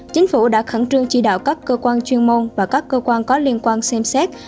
chính phủ đã khẩn trương chỉ đạo các cơ quan chuyên môn và các cơ quan có liên quan xem xét